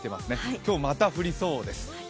今日また降りそうです。